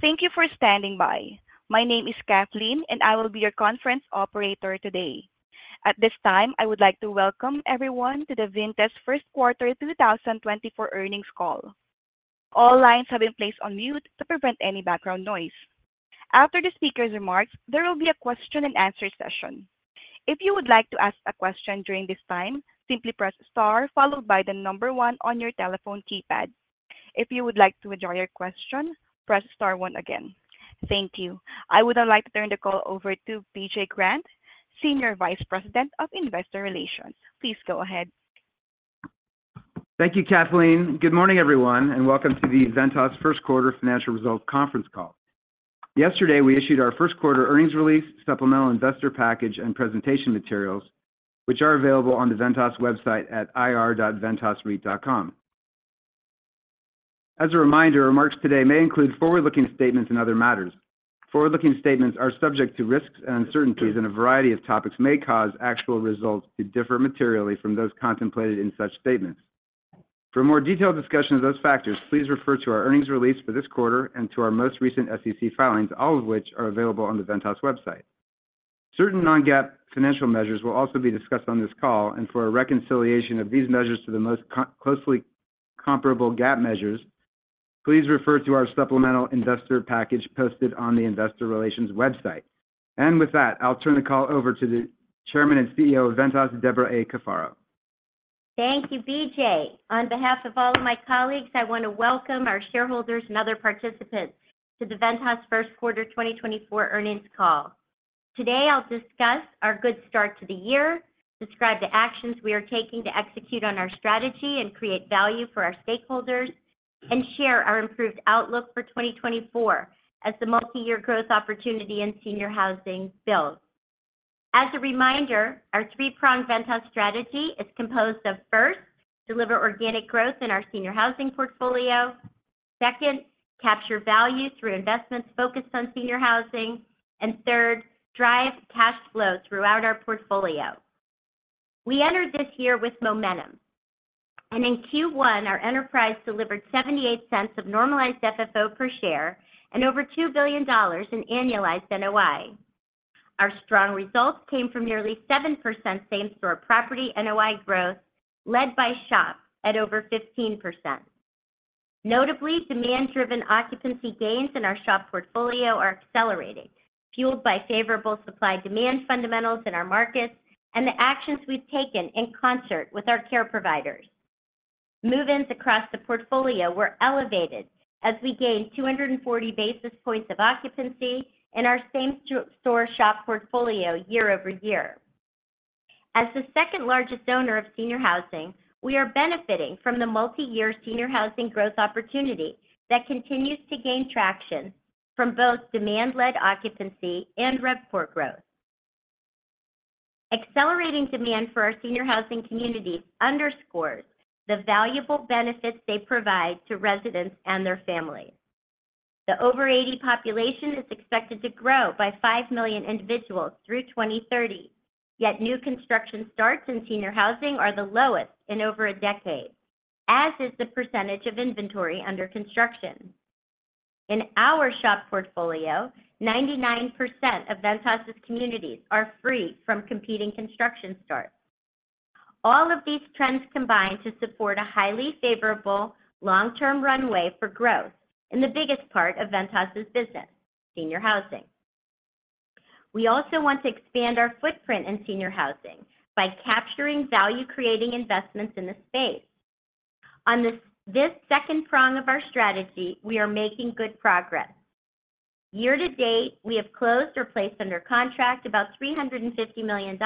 Thank you for standing by. My name is Kathleen, and I will be your conference operator today. At this time, I would like to welcome everyone to the Ventas first quarter 2024 earnings call. All lines have been placed on mute to prevent any background noise. After the speaker's remarks, there will be a question and answer session. If you would like to ask a question during this time, simply press star followed by the number one on your telephone keypad. If you would like to withdraw your question, press star one again. Thank you. I would now like to turn the call over to BJ Grant, Senior Vice President of Investor Relations. Please go ahead. Thank you, Kathleen. Good morning, everyone, and welcome to the Ventas first quarter financial results conference call. Yesterday, we issued our first quarter earnings release, supplemental investor package, and presentation materials, which are available on the Ventas website at ir.ventasreit.com. As a reminder, remarks today may include forward-looking statements and other matters. Forward-looking statements are subject to risks and uncertainties, and a variety of topics may cause actual results to differ materially from those contemplated in such statements. For a more detailed discussion of those factors, please refer to our earnings release for this quarter and to our most recent SEC filings, all of which are available on the Ventas website. Certain non-GAAP financial measures will also be discussed on this call, and for a reconciliation of these measures to the most closely comparable GAAP measures, please refer to our supplemental investor package posted on the investor relations website. With that, I'll turn the call over to the Chairman and CEO of Ventas, Debra A. Cafaro. Thank you, BJ. On behalf of all of my colleagues, I want to welcome our shareholders and other participants to the Ventas first quarter 2024 earnings call. Today, I'll discuss our good start to the year, describe the actions we are taking to execute on our strategy and create value for our stakeholders, and share our improved outlook for 2024 as the multi-year growth opportunity in senior housing builds. As a reminder, our three-pronged Ventas strategy is composed of, first, deliver organic growth in our senior housing portfolio, second, capture value through investments focused on senior housing, and third, drive cash flow throughout our portfolio. We entered this year with momentum, and in Q1, our enterprise delivered $0.78 of normalized FFO per share and over $2 billion in annualized NOI. Our strong results came from nearly 7% same-store property NOI growth, led by SHOP at over 15%. Notably, demand-driven occupancy gains in our SHOP portfolio are accelerating, fueled by favorable supply-demand fundamentals in our markets and the actions we've taken in concert with our care providers. Move-ins across the portfolio were elevated as we gained 240 basis points of occupancy in our same-store SHOP portfolio year-over-year. As the second-largest owner of senior housing, we are benefiting from the multi-year senior housing growth opportunity that continues to gain traction from both demand-led occupancy and RevPAR growth. Accelerating demand for our senior housing communities underscores the valuable benefits they provide to residents and their families. The over 80 population is expected to grow by 5 million individuals through 2030, yet new construction starts in senior housing are the lowest in over a decade, as is the percentage of inventory under construction. In our SHOP portfolio, 99% of Ventas's communities are free from competing construction starts. All of these trends combine to support a highly favorable long-term runway for growth in the biggest part of Ventas's business, senior housing. We also want to expand our footprint in senior housing by capturing value-creating investments in the space. On this second prong of our strategy, we are making good progress. Year to date, we have closed or placed under contract about $350 million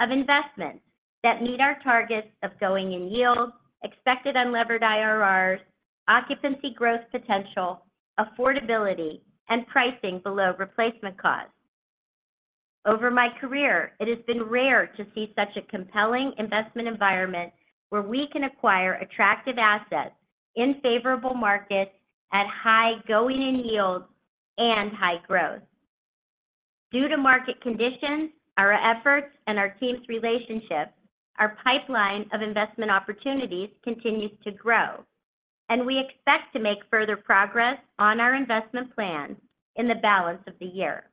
of investments that meet our targets of going-in yield, expected unlevered IRRs, occupancy growth potential, affordability, and pricing below replacement cost. Over my career, it has been rare to see such a compelling investment environment where we can acquire attractive assets in favorable markets at high going in yield and high growth. Due to market conditions, our efforts, and our team's relationships, our pipeline of investment opportunities continues to grow, and we expect to make further progress on our investment plan in the balance of the year.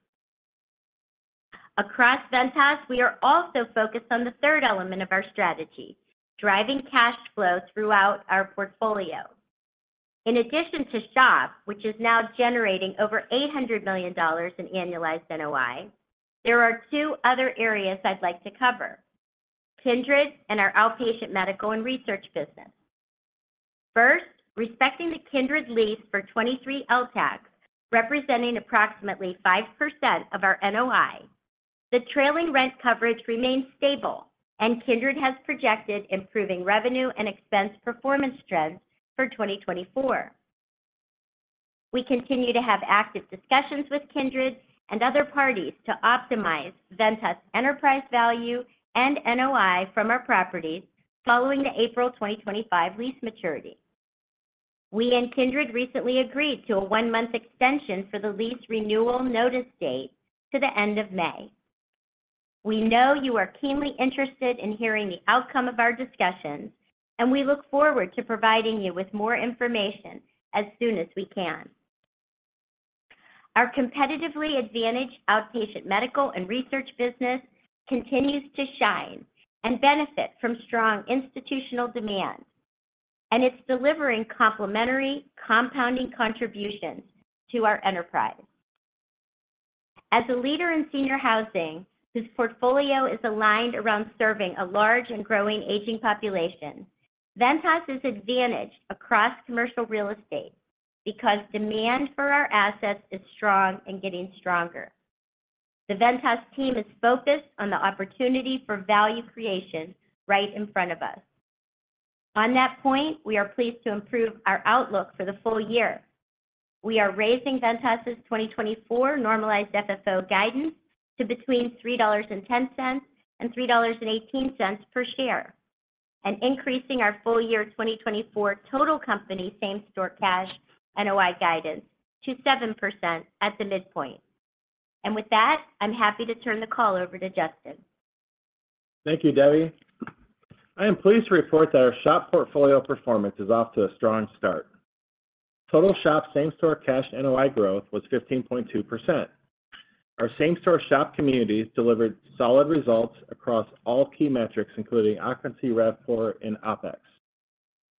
Across Ventas, we are also focused on the third element of our strategy, driving cash flow throughout our portfolio. In addition to SHOP, which is now generating over $800 million in annualized NOI, there are two other areas I'd like to cover: Kindred and our outpatient medical and research business. First, respecting the Kindred lease for 23 LTACs, representing approximately 5% of our NOI, the trailing rent coverage remains stable, and Kindred has projected improving revenue and expense performance trends for 2024. We continue to have active discussions with Kindred and other parties to optimize Ventas enterprise value and NOI from our properties following the April 2025 lease maturity. We and Kindred recently agreed to a one-month extension for the lease renewal notice date to the end of May. We know you are keenly interested in hearing the outcome of our discussions, and we look forward to providing you with more information as soon as we can. Our competitively advantaged outpatient medical and research business continues to shine and benefit from strong institutional demand, and it's delivering complementary compounding contributions to our enterprise. As a leader in senior housing, this portfolio is aligned around serving a large and growing aging population. Ventas is advantaged across commercial real estate because demand for our assets is strong and getting stronger. The Ventas team is focused on the opportunity for value creation right in front of us. On that point, we are pleased to improve our outlook for the full year. We are raising Ventas' 2024 normalized FFO guidance to between $3.10 and $3.18 per share, and increasing our full year 2024 total company same-store cash NOI guidance to 7% at the midpoint. With that, I'm happy to turn the call over to Justin. Thank you, Debbie. I am pleased to report that our SHOP portfolio performance is off to a strong start. Total SHOP same-store cash NOI growth was 15.2%. Our same-store SHOP communities delivered solid results across all key metrics, including occupancy, RevPAR, and OpEx.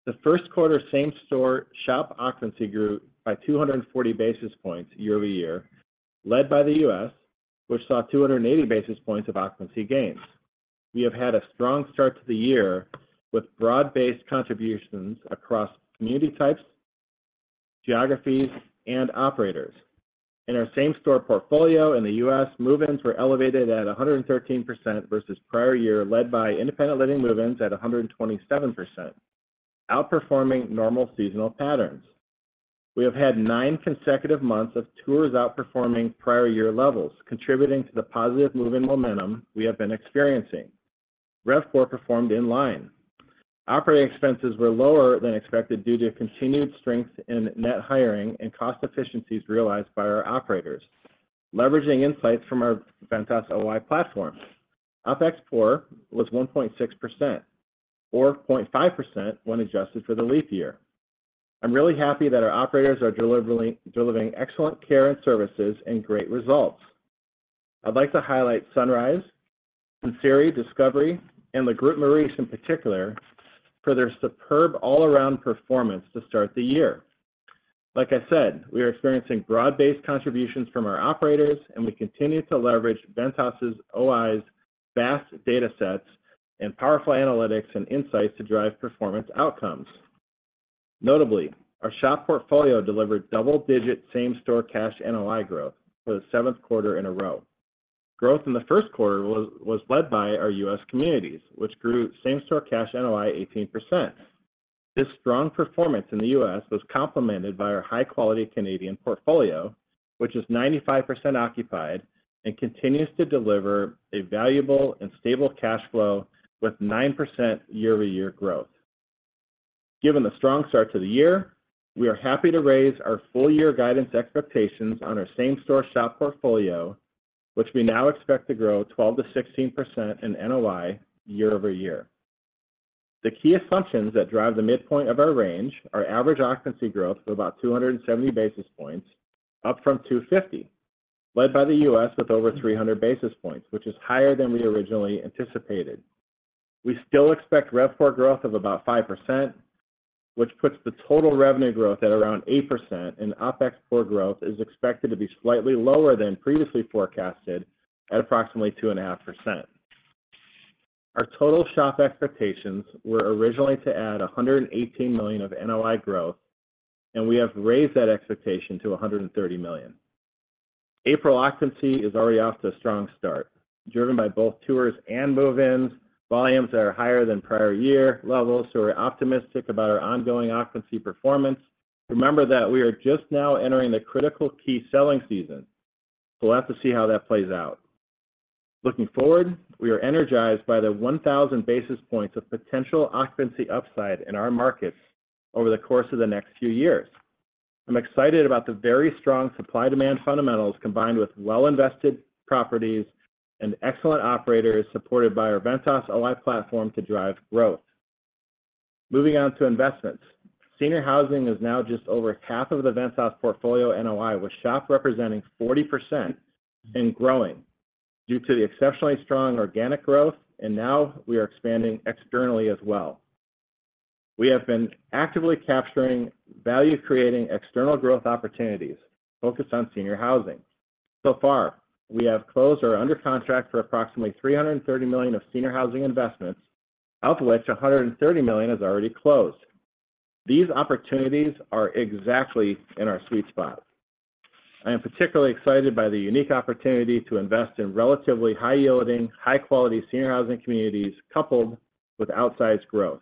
The first quarter same-store SHOP occupancy grew by 240 basis points year-over-year, led by the U.S., which saw 280 basis points of occupancy gains. We have had a strong start to the year, with broad-based contributions across community types, geographies, and operators. In our same-store portfolio in the U.S., move-ins were elevated at 113% versus prior year, led by independent living move-ins at 127%, outperforming normal seasonal patterns. We have had nine consecutive months of tours outperforming prior year levels, contributing to the positive move-in momentum we have been experiencing. RevPAR performed in line. Operating expenses were lower than expected due to continued strength in net hiring and cost efficiencies realized by our operators, leveraging insights from our Ventas OI platform. OpExPOR was 1.6%, or 0.5% when adjusted for the leap year. I'm really happy that our operators are delivering, delivering excellent care and services and great results. I'd like to highlight Sunrise, Sinceri, Discovery, and Le Groupe Maurice in particular, for their superb all around performance to start the year. Like I said, we are experiencing broad-based contributions from our operators, and we continue to leverage Ventas' OI's vast data sets and powerful analytics and insights to drive performance outcomes. Notably, our SHOP portfolio delivered double-digit same-store cash NOI growth for the 7th quarter in a row. Growth in the first quarter was led by our U.S. communities, which grew same-store cash NOI 18%. This strong performance in the U.S. was complemented by our high-quality Canadian portfolio, which is 95% occupied and continues to deliver a valuable and stable cash flow with 9% year-over-year growth. Given the strong start to the year, we are happy to raise our full year guidance expectations on our same-store SHOP portfolio, which we now expect to grow 12%-16% in NOI year over year. The key assumptions that drive the midpoint of our range are average occupancy growth of about 270 basis points, up from 250, led by the U.S. with over 300 basis points, which is higher than we originally anticipated. We still expect RevPAR growth of about 5%, which puts the total revenue growth at around 8%, and OpEx PAR growth is expected to be slightly lower than previously forecasted at approximately 2.5%. Our total SHOP expectations were originally to add $118 million of NOI growth, and we have raised that expectation to $130 million. April occupancy is already off to a strong start, driven by both tours and move-ins. Volumes are higher than prior year levels, so we're optimistic about our ongoing occupancy performance. Remember that we are just now entering the critical key selling season, so we'll have to see how that plays out. Looking forward, we are energized by the 1,000 basis points of potential occupancy upside in our markets over the course of the next few years. I'm excited about the very strong supply-demand fundamentals, combined with well-invested properties and excellent operators, supported by our Ventas OI platform to drive growth. Moving on to investments. Senior housing is now just over half of the Ventas portfolio NOI, with SHOP representing 40% and growing due to the exceptionally strong organic growth, and now we are expanding externally as well. We have been actively capturing value, creating external growth opportunities focused on senior housing. So far, we have closed or are under contract for approximately $330 million of senior housing investments, out of which $130 million is already closed. These opportunities are exactly in our sweet spot. I am particularly excited by the unique opportunity to invest in relatively high-yielding, high-quality senior housing communities, coupled with outsized growth.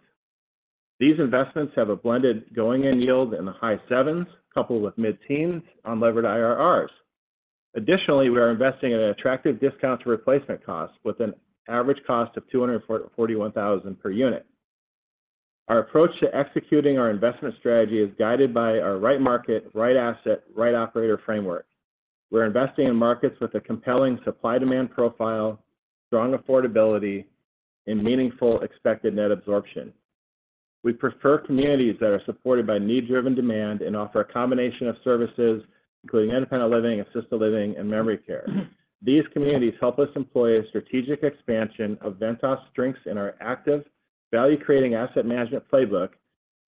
These investments have a blended going-in yield in the high sevens, coupled with mid-teens on levered IRRs. Additionally, we are investing at an attractive discount to replacement costs, with an average cost of $241,000 per unit. Our approach to executing our investment strategy is guided by our right market, right asset, right operator framework. We're investing in markets with a compelling supply-demand profile, strong affordability, and meaningful expected net absorption. We prefer communities that are supported by need-driven demand and offer a combination of services, including independent living, assisted living, and memory care. These communities help us employ a strategic expansion of Ventas' strengths in our active, value-creating asset management playbook,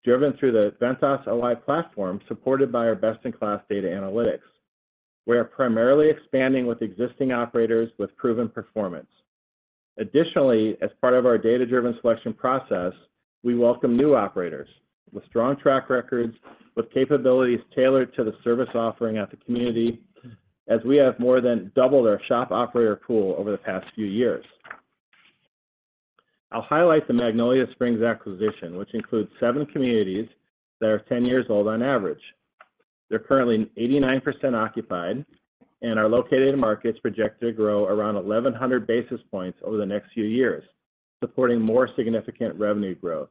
driven through the Ventas Ol Platform, supported by our best-in-class data analytics. We are primarily expanding with existing operators with proven performance. Additionally, as part of our data-driven selection process, we welcome new operators with strong track records, with capabilities tailored to the service offering at the community, as we have more than doubled our SHOP operator pool over the past few years. I'll highlight the Magnolia Springs acquisition, which includes seven communities that are 10 years old on average. They're currently 89% occupied and are located in markets projected to grow around 1,100 basis points over the next few years, supporting more significant revenue growth.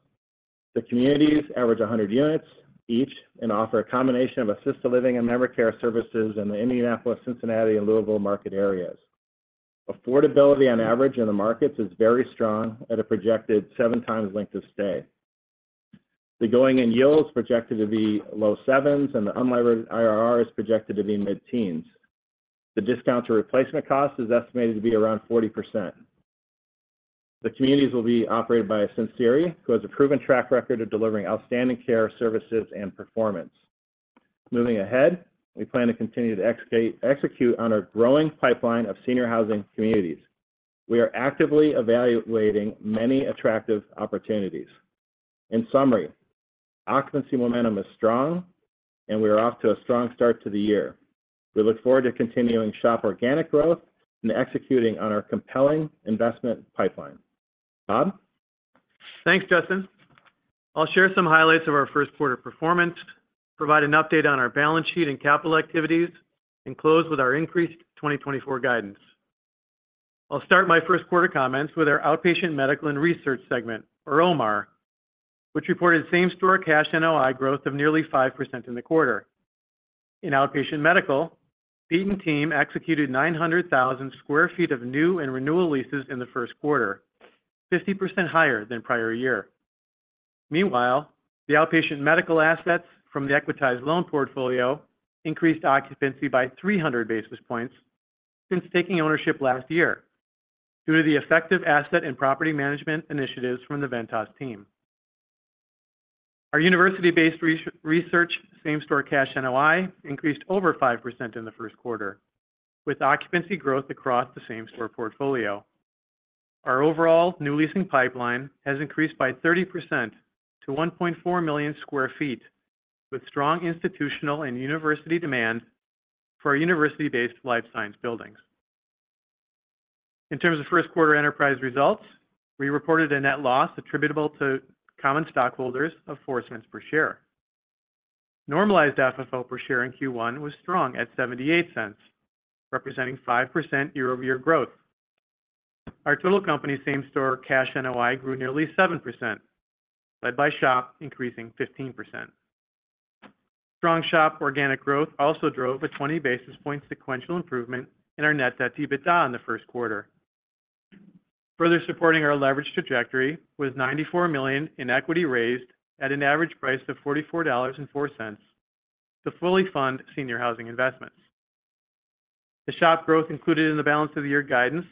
The communities average 100 units each and offer a combination of assisted living and memory care services in the Indianapolis, Cincinnati, and Louisville market areas. Affordability on average in the markets is very strong at a projected 7x length of stay. The going-in yield is projected to be low 70s, and the unlevered IRR is projected to be mid-teens. The discount to replacement cost is estimated to be around 40%. The communities will be operated by Ascencere, who has a proven track record of delivering outstanding care, services, and performance. Moving ahead, we plan to continue to execute on our growing pipeline of senior housing communities. We are actively evaluating many attractive opportunities. In summary, occupancy momentum is strong, and we are off to a strong start to the year. We look forward to continuing SHOP organic growth and executing on our compelling investment pipeline. Bob? Thanks, Justin. I'll share some highlights of our first quarter performance, provide an update on our balance sheet and capital activities, and close with our increased 2024 guidance. I'll start my first quarter comments with our outpatient medical and research segment, or OMAR, which reported same-store cash NOI growth of nearly 5% in the quarter. In outpatient medical, Peter and team executed 900,000 sq ft of new and renewal leases in the first quarter, 50% higher than prior year. Meanwhile, the outpatient medical assets from the equitized loan portfolio increased occupancy by 300 basis points since taking ownership last year, due to the effective asset and property management initiatives from the Ventas team. Our university-based research same-store cash NOI increased over 5% in the first quarter, with occupancy growth across the same-store portfolio. Our overall new leasing pipeline has increased by 30% to 1.4 million sq ft, with strong institutional and university demand for our university-based life science buildings. In terms of first quarter enterprise results, we reported a net loss attributable to common stockholders of $0.04 per share. Normalized FFO per share in Q1 was strong at $0.78, representing 5% year-over-year growth. Our total company same-store cash NOI grew nearly 7%, led by SHOP, increasing 15%. Strong SHOP organic growth also drove a 20 basis point sequential improvement in our net debt to EBITDA in the first quarter. Further supporting our leverage trajectory was $94 million in equity raised at an average price of $44.04 to fully fund senior housing investments. The SHOP growth included in the balance of the year guidance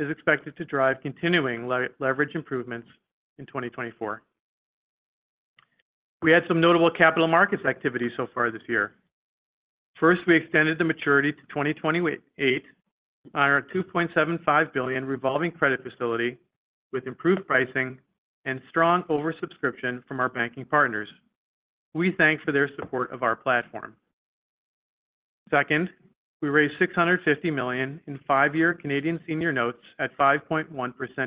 is expected to drive continuing leverage improvements in 2024. We had some notable capital markets activity so far this year. First, we extended the maturity to 2028 on our $2.75 billion revolving credit facility with improved pricing and strong oversubscription from our banking partners. We thank them for their support of our platform. Second, we raised 650 million in five-year Canadian senior notes at 5.1%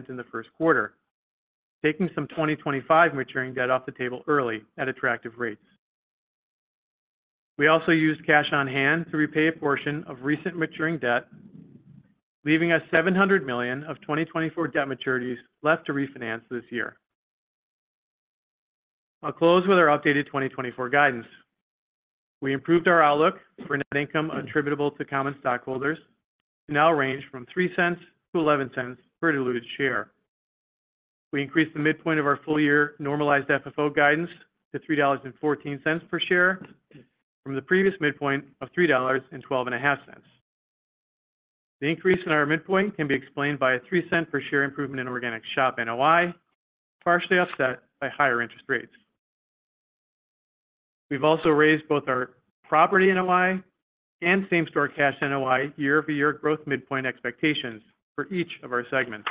in the first quarter, taking some 2025 maturing debt off the table early at attractive rates. We also used cash on hand to repay a portion of recent maturing debt, leaving us $700 million of 2024 debt maturities left to refinance this year. I'll close with our updated 2024 guidance. We improved our outlook for net income attributable to common stockholders and now range from $0.03-$0.11 per diluted share. We increased the midpoint of our full-year normalized FFO guidance to $3.14 per share from the previous midpoint of $3.125. The increase in our midpoint can be explained by a $0.03 per share improvement in organic SHOP NOI, partially offset by higher interest rates. We've also raised both our property NOI and same-store cash NOI year-over-year growth midpoint expectations for each of our segments.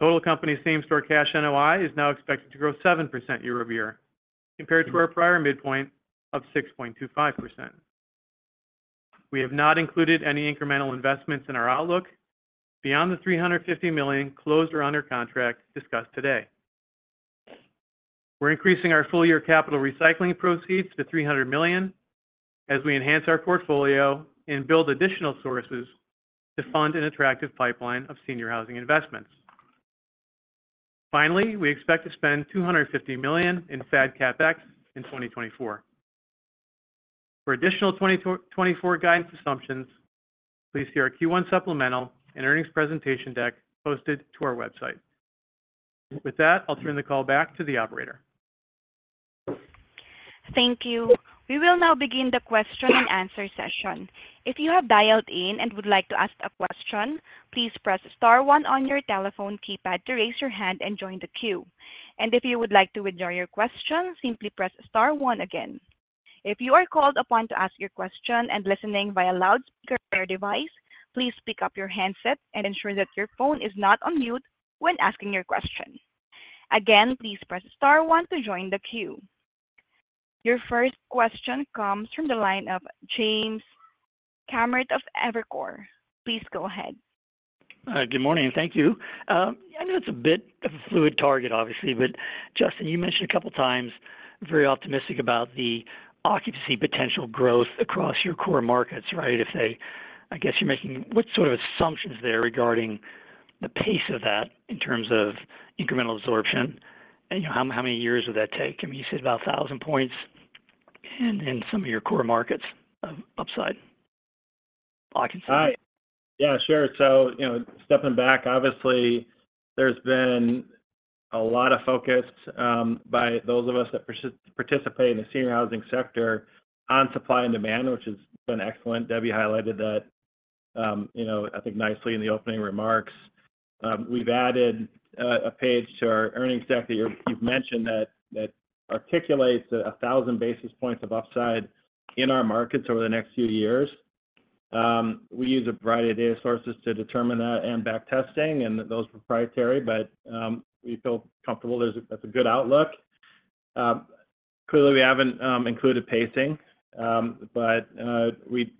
Total company same-store cash NOI is now expected to grow 7% year-over-year, compared to our prior midpoint of 6.25%. We have not included any incremental investments in our outlook beyond the $350 million closed or under contract discussed today. We're increasing our full-year capital recycling proceeds to $300 million.... as we enhance our portfolio and build additional sources to fund an attractive pipeline of senior housing investments. Finally, we expect to spend $250 million in FAD CapEx in 2024. For additional 2024 guidance assumptions, please see our Q1 supplemental and earnings presentation deck posted to our website. With that, I'll turn the call back to the operator. Thank you. We will now begin the question and answer session. If you have dialed in and would like to ask a question, please press star one on your telephone keypad to raise your hand and join the queue. If you would like to withdraw your question, simply press star one again. If you are called upon to ask your question and listening via loudspeaker or device, please pick up your handset and ensure that your phone is not on mute when asking your question. Again, please press star one to join the queue. Your first question comes from the line of James Kammert of Evercore. Please go ahead. Good morning, and thank you. I know it's a bit of a fluid target, obviously, but Justin, you mentioned a couple of times, very optimistic about the occupancy potential growth across your core markets, right? If they, I guess, you're making. What sort of assumptions there regarding the pace of that in terms of incremental absorption? And, you know, how many years would that take? I mean, you said about 1,000 points and in some of your core markets, upside, occupancy. Hi. Yeah, sure. So, you know, stepping back, obviously, there's been a lot of focus by those of us that participate in the senior housing sector on supply and demand, which has been excellent. Debbie highlighted that, you know, I think nicely in the opening remarks. We've added a page to our earnings deck that you, you've mentioned that, that articulates 1,000 basis points of upside in our markets over the next few years. We use a variety of data sources to determine that and backtesting, and those are proprietary, but we feel comfortable that's a good outlook. Clearly, we haven't included pacing, but we'd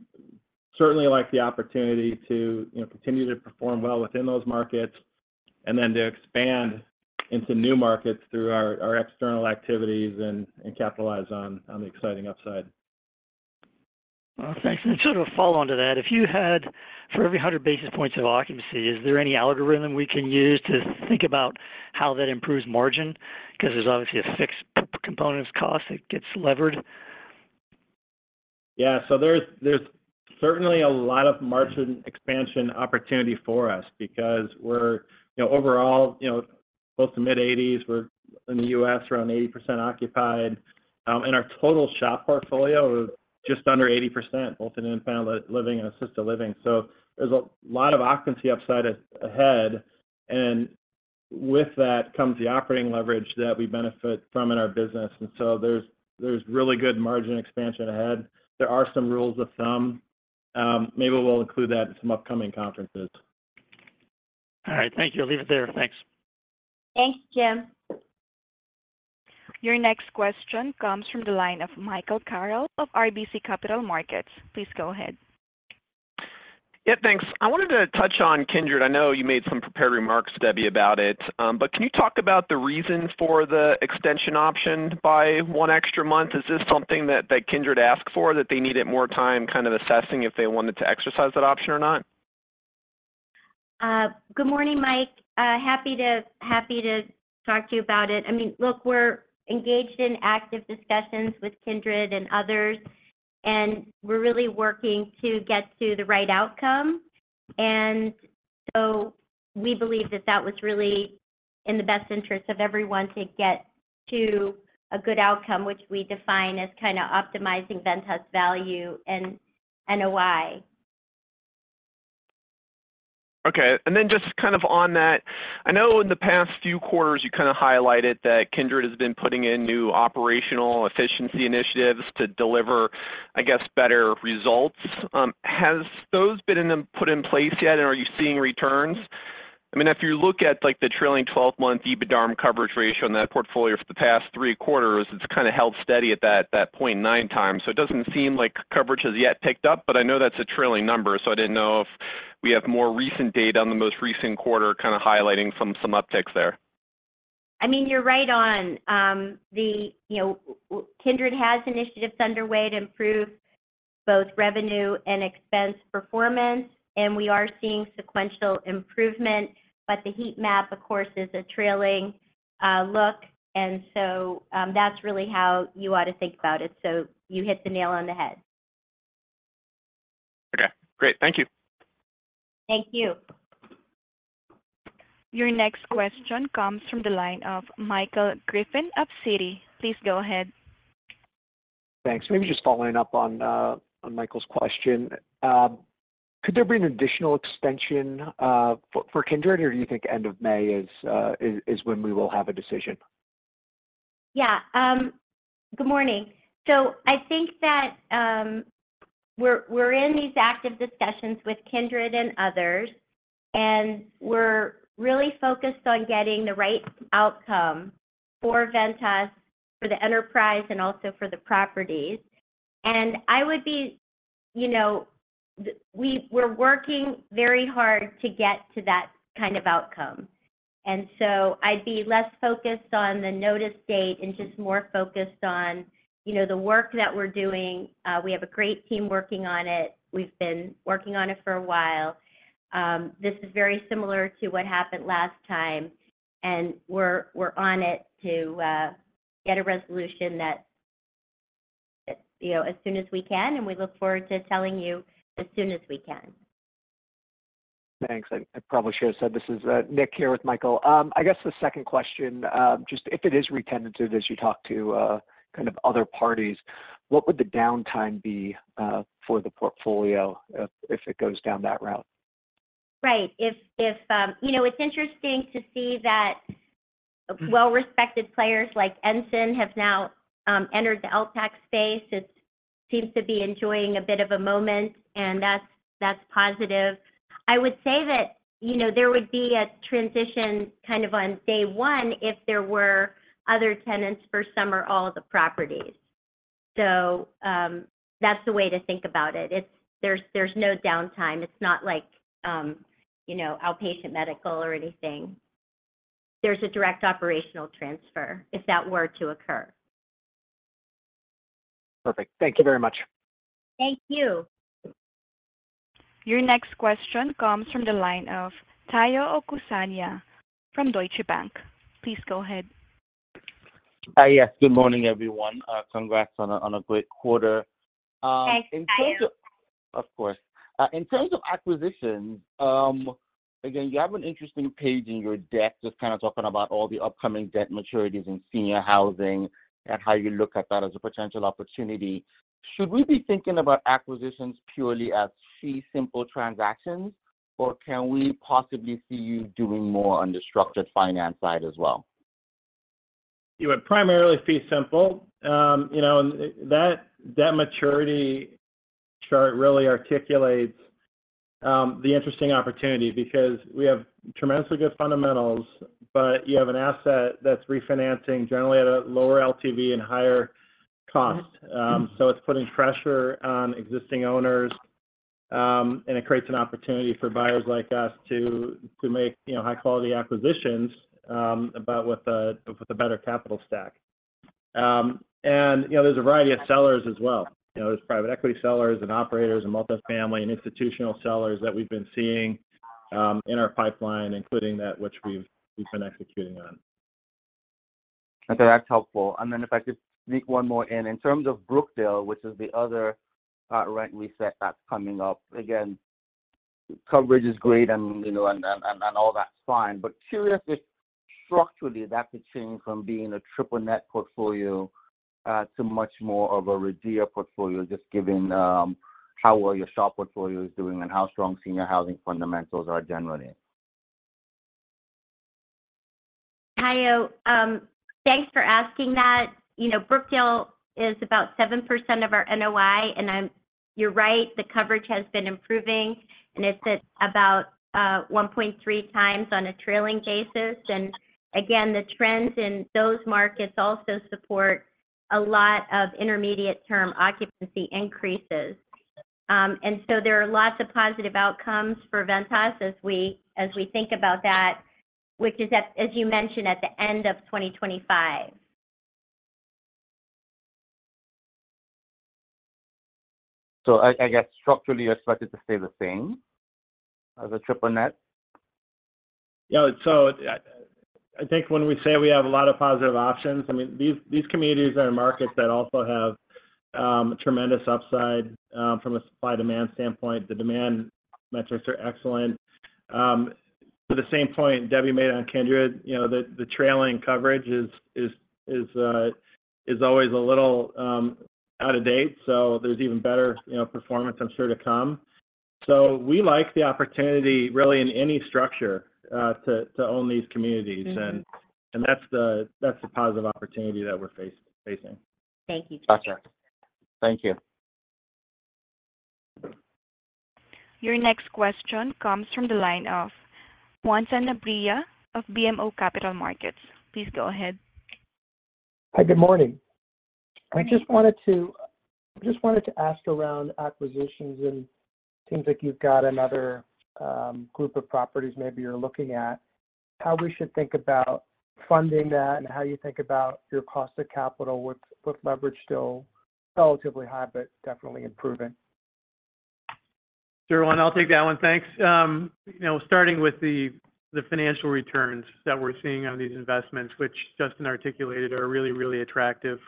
certainly like the opportunity to, you know, continue to perform well within those markets and then to expand into new markets through our external activities and capitalize on the exciting upside. Well, thanks. And sort of a follow-on to that, if you had for every 100 basis points of occupancy, is there any algorithm we can use to think about how that improves margin? 'Cause there's obviously a fixed components cost that gets levered. Yeah. So there's, there's certainly a lot of margin expansion opportunity for us because we're, you know, overall, you know, close to mid-80s. We're in the U.S., around 80% occupied, and our total SHOP portfolio is just under 80%, both in independent living and assisted living. So there's a lot of occupancy upside ahead, and with that comes the operating leverage that we benefit from in our business, and so there's, there's really good margin expansion ahead. There are some rules of thumb. Maybe we'll include that in some upcoming conferences. All right. Thank you. I'll leave it there. Thanks. Thanks, Jim. Your next question comes from the line of Michael Carroll of RBC Capital Markets. Please go ahead. Yeah, thanks. I wanted to touch on Kindred. I know you made some prepared remarks, Debbie, about it, but can you talk about the reason for the extension option by one extra month? Is this something that, that Kindred asked for, that they needed more time kind of assessing if they wanted to exercise that option or not? Good morning, Mike. Happy to, happy to talk to you about it. I mean, look, we're engaged in active discussions with Kindred and others, and we're really working to get to the right outcome. And so we believe that that was really in the best interest of everyone to get to a good outcome, which we define as kinda optimizing Ventas value and NOI. Okay. And then just kind of on that, I know in the past few quarters, you kinda highlighted that Kindred has been putting in new operational efficiency initiatives to deliver, I guess, better results. Has those been put in place yet, and are you seeing returns? I mean, if you look at, like, the trailing twelve-month EBITDARM coverage ratio on that portfolio for the past three quarters, it's kinda held steady at that 0.9x. So it doesn't seem like coverage has yet picked up, but I know that's a trailing number, so I didn't know if we have more recent data on the most recent quarter, kinda highlighting some upticks there. I mean, you're right on, you know, Kindred has initiatives underway to improve both revenue and expense performance, and we are seeing sequential improvement, but the heat map, of course, is a trailing look, and so, that's really how you ought to think about it. So you hit the nail on the head. Okay, great. Thank you. Thank you. Your next question comes from the line of Michael Griffin of Citi. Please go ahead. Thanks. Maybe just following up on Michael's question. Could there be an additional extension for Kindred, or do you think end of May is when we will have a decision? Yeah, good morning. So I think that we're in these active discussions with Kindred and others, and we're really focused on getting the right outcome for Ventas, for the enterprise, and also for the properties. And I would, you know, the, we're working very hard to get to that kind of outcome. And so I'd be less focused on the notice date and just more focused on, you know, the work that we're doing. We have a great team working on it. We've been working on it for a while. This is very similar to what happened last time, and we're on it to get a resolution that, you know, as soon as we can, and we look forward to telling you as soon as we can. Thanks. I probably should have said this is Nick here with Michael. I guess the second question, just if it is retenanted as you talk to kind of other parties, what would the downtime be for the portfolio if it goes down that route? Right. If you know, it's interesting to see that well-respected players like Ensign have now entered the LTAC space. It seems to be enjoying a bit of a moment, and that's positive. I would say that, you know, there would be a transition kind of on day one if there were other tenants for some or all of the properties. So, that's the way to think about it. It's. There's no downtime. It's not like you know, outpatient medical or anything. There's a direct operational transfer if that were to occur. Perfect. Thank you very much. Thank you. Your next question comes from the line of Tayo Okusanya from Deutsche Bank. Please go ahead. Hi, yes, good morning, everyone. Congrats on a great quarter. In terms of- Thanks, Tayo. Of course. In terms of acquisitions, again, you have an interesting page in your deck, just kind of talking about all the upcoming debt maturities in senior housing and how you look at that as a potential opportunity. Should we be thinking about acquisitions purely as fee simple transactions, or can we possibly see you doing more on the structured finance side as well? It would primarily fee simple. You know, and that maturity chart really articulates the interesting opportunity because we have tremendously good fundamentals, but you have an asset that's refinancing generally at a lower LTV and higher cost. So it's putting pressure on existing owners, and it creates an opportunity for buyers like us to make, you know, high-quality acquisitions, but with a better capital stack. And, you know, there's a variety of sellers as well. You know, there's private equity sellers and operators and multifamily and institutional sellers that we've been seeing in our pipeline, including that which we've been executing on. Okay, that's helpful. And then if I could sneak one more in. In terms of Brookdale, which is the other rent reset that's coming up, again, coverage is great and, you know, all that's fine, but curious if structurally that could change from being a triple net portfolio to much more of a RIDEA portfolio, just given how well your shop portfolio is doing and how strong senior housing fundamentals are generally? Tayo, thanks for asking that. You know, Brookdale is about 7% of our NOI, and you're right, the coverage has been improving, and it's at about, one point three times on a trailing basis. And again, the trends in those markets also support a lot of intermediate-term occupancy increases. And so there are lots of positive outcomes for Ventas as we, as we think about that, which is at, as you mentioned, at the end of 2025. So I guess structurally, you're expected to stay the same as a triple net? Yeah, so I think when we say we have a lot of positive options, I mean, these communities are markets that also have tremendous upside from a supply-demand standpoint. The demand metrics are excellent. To the same point Debbie made on Kindred, you know, the trailing coverage is always a little out of date, so there's even better, you know, performance I'm sure to come. So we like the opportunity, really in any structure, to own these communities. Mm-hmm. And that's the positive opportunity that we're facing. Thank you. Gotcha. Thank you. Your next question comes from the line of Juan Sanabria of BMO Capital Markets. Please go ahead. Hi, good morning. Good morning. I just wanted to ask around acquisitions, and it seems like you've got another group of properties maybe you're looking at. How we should think about funding that and how you think about your cost of capital, with leverage still relatively high but definitely improving? Sure, Juan, I'll take that one. Thanks. You know, starting with the financial returns that we're seeing on these investments, which Justin articulated, are really, really attractive,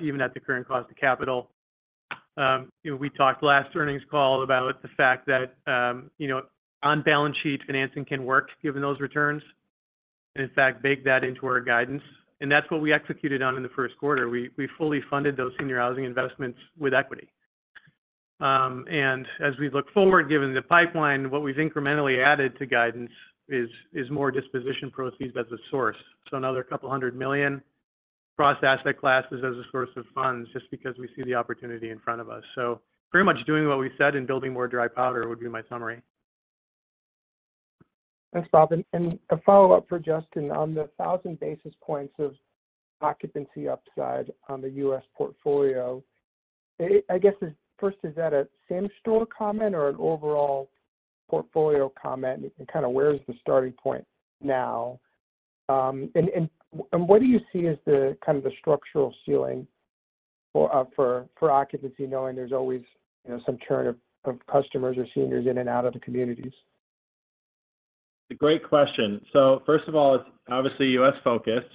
even at the current cost of capital. You know, we talked last earnings call about the fact that you know, on-balance sheet financing can work given those returns, and in fact, baked that into our guidance, and that's what we executed on in the first quarter. We fully funded those senior housing investments with equity. And as we look forward, given the pipeline, what we've incrementally added to guidance is more disposition proceeds as a source. So another $200 million across asset classes as a source of funds, just because we see the opportunity in front of us. Pretty much doing what we said and building more dry powder would be my summary.... Thanks, Bob. A follow-up for Justin, on the 1,000 basis points of occupancy upside on the U.S. portfolio, I guess, first, is that a same-store comment or an overall portfolio comment? And kind of where is the starting point now? And what do you see as the kind of structural ceiling for occupancy, knowing there's always, you know, some churn of customers or seniors in and out of the communities? It's a great question. So first of all, it's obviously U.S.-focused,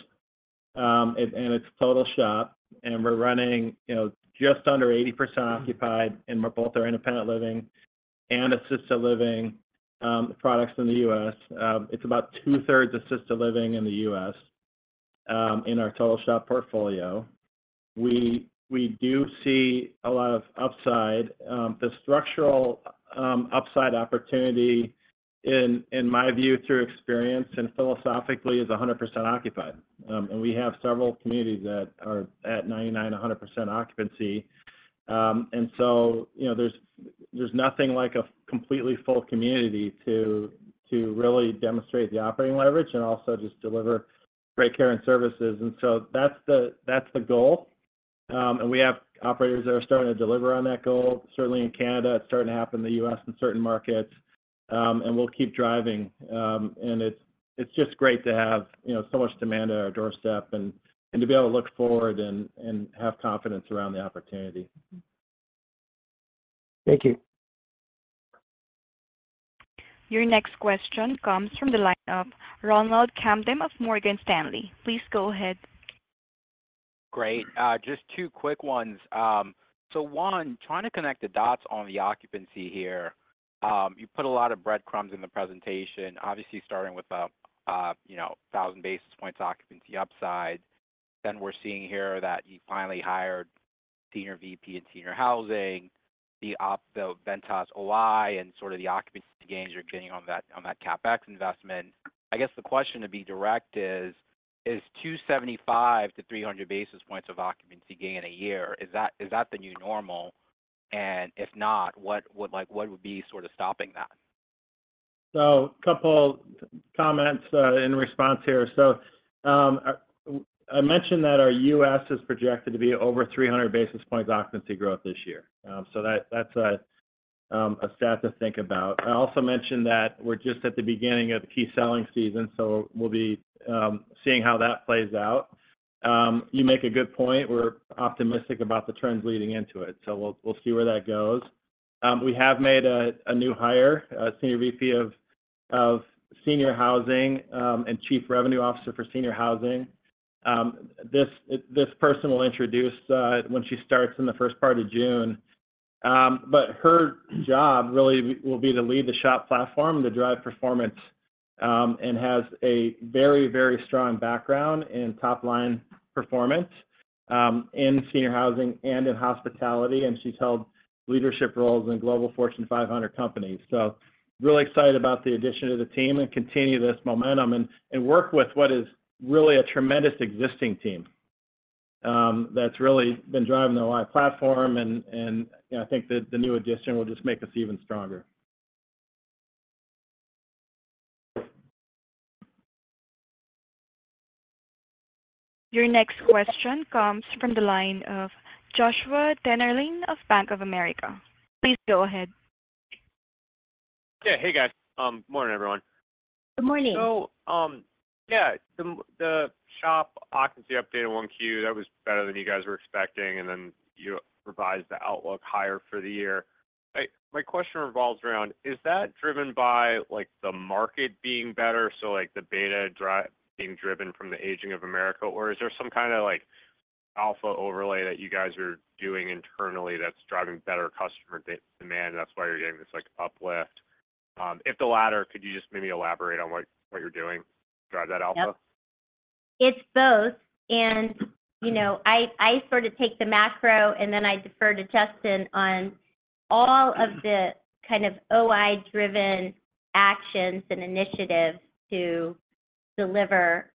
and it's total SHOP, and we're running, you know, just under 80% occupied, and we're both our independent living and assisted living, products in the U.S. It's about two-thirds assisted living in the U.S., in our total SHOP portfolio. We, we do see a lot of upside. The structural, upside opportunity in, in my view, through experience and philosophically, is 100% occupied. And we have several communities that are at 99%, 100% occupancy. And so, you know, there's, there's nothing like a completely full community to, to really demonstrate the operating leverage and also just deliver great care and services. And so that's the, that's the goal. And we have operators that are starting to deliver on that goal. Certainly in Canada, it's starting to happen in the U.S. in certain markets, and we'll keep driving. And it's, it's just great to have, you know, so much demand at our doorstep and, and to be able to look forward and, and have confidence around the opportunity. Thank you. Your next question comes from the line of Ronald Kamdem of Morgan Stanley. Please go ahead. Great. Just two quick ones. So one, trying to connect the dots on the occupancy here, you put a lot of breadcrumbs in the presentation, obviously starting with the, you know, 1,000 basis points occupancy upside. Then we're seeing here that you finally hired senior VP in senior housing, the Ventas OI, and sort of the occupancy gains you're getting on that, on that CapEx investment. I guess the question, to be direct, is, is 275-300 basis points of occupancy gain in a year, is that, is that the new normal? And if not, what would—like, what would be sort of stopping that? So a couple comments in response here. So, I mentioned that our U.S. is projected to be over 300 basis points occupancy growth this year. So that, that's a stat to think about. I also mentioned that we're just at the beginning of the key selling season, so we'll be seeing how that plays out. You make a good point. We're optimistic about the trends leading into it, so we'll, we'll see where that goes. We have made a new hire, a Senior VP of senior housing and Chief Revenue Officer for senior housing. This person will introduce when she starts in the first part of June. But her job really will be to lead the SHOP platform to drive performance, and has a very, very strong background in top-line performance, in senior housing and in hospitality, and she's held leadership roles in Global Fortune 500 companies. So really excited about the addition to the team and continue this momentum and, and work with what is really a tremendous existing team, that's really been driving the OI platform and, and, you know, I think the, the new addition will just make us even stronger. Your next question comes from the line of Joshua Dennerlein of Bank of America. Please go ahead. Yeah. Hey, guys. Good morning, everyone. Good morning. So, yeah, the SHOP occupancy update in 1Q, that was better than you guys were expecting, and then you revised the outlook higher for the year. My question revolves around, is that driven by, like, the market being better, so, like, the beta drive being driven from the aging of America, or is there some kind of, like, alpha overlay that you guys are doing internally that's driving better customer demand, and that's why you're getting this, like, uplift? If the latter, could you just maybe elaborate on what you're doing to drive that alpha? Yep. It's both, and you know, I, I sort of take the macro, and then I defer to Justin on all of the kind of OI-driven actions and initiatives to deliver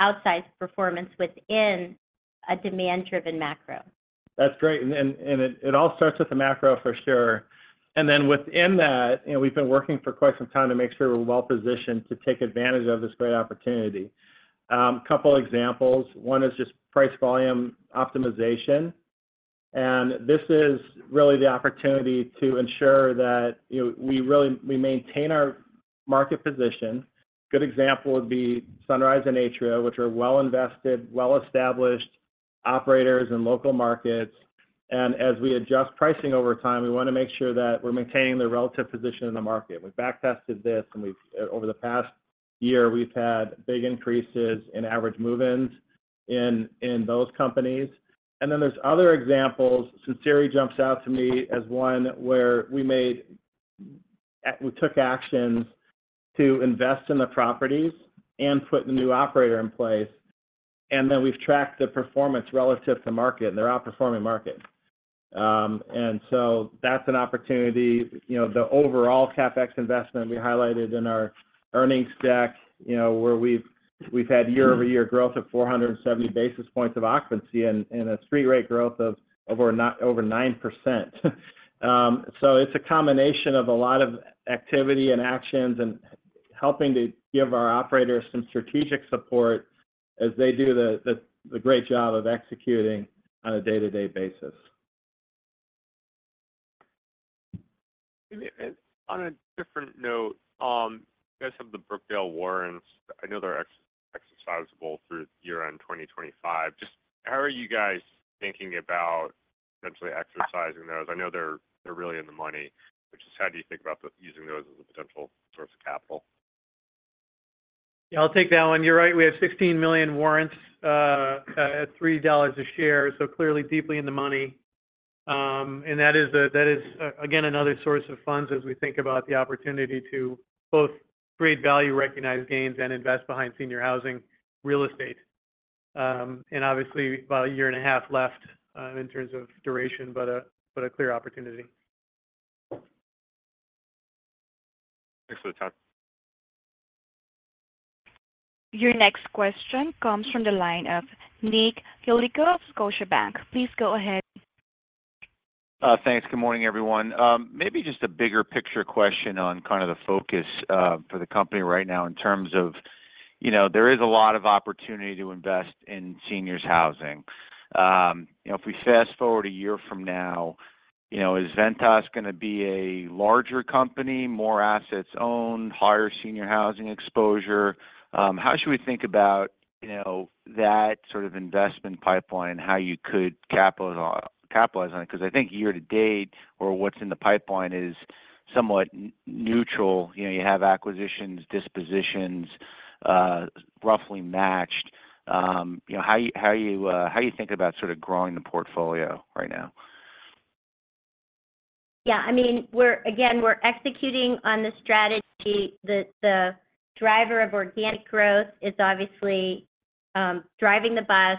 outsized performance within a demand-driven macro. That's great, and then it all starts with the macro, for sure. And then within that, you know, we've been working for quite some time to make sure we're well positioned to take advantage of this great opportunity. A couple examples. One is just price volume optimization, and this is really the opportunity to ensure that, you know, we really, we maintain our market position. Good example would be Sunrise and Atria, which are well-invested, well-established operators in local markets, and as we adjust pricing over time, we want to make sure that we're maintaining the relative position in the market. We back-tested this, and we've over the past year, we've had big increases in average move-ins in those companies. And then there's other examples. Susieri jumps out to me as one where we took actions to invest in the properties and put the new operator in place, and then we've tracked the performance relative to market, and they're outperforming market. And so that's an opportunity. You know, the overall CapEx investment we highlighted in our earnings deck, you know, where we've had year-over-year growth of 470 basis points of occupancy and a street rate growth of over 9%. So it's a combination of a lot of activity and actions and helping to give our operators some strategic support.... as they do the great job of executing on a day-to-day basis. On a different note, you guys have the Brookdale warrants. I know they're exercisable through year-end 2025. Just how are you guys thinking about potentially exercising those? I know they're really in the money, but just how do you think about using those as a potential source of capital? Yeah, I'll take that one. You're right, we have 16 million warrants at $3 a share, so clearly deeply in the money. And that is again another source of funds as we think about the opportunity to both create value, recognize gains, and invest behind senior housing real estate. And obviously, about a year and a half left in terms of duration, but a clear opportunity. Thanks for the time. Your next question comes from the line of Nick Yulico of Scotiabank. Please go ahead. Thanks. Good morning, everyone. Maybe just a bigger picture question on kind of the focus for the company right now in terms of, you know, there is a lot of opportunity to invest in seniors housing. You know, if we fast-forward a year from now, you know, is Ventas gonna be a larger company, more assets owned, higher senior housing exposure? How should we think about, you know, that sort of investment pipeline, how you could capitalize on, capitalize on it? Because I think year to date, or what's in the pipeline is somewhat neutral. You know, you have acquisitions, dispositions, roughly matched. You know, how you think about sort of growing the portfolio right now? Yeah. I mean, we're again, we're executing on the strategy. The driver of organic growth is obviously driving the bus.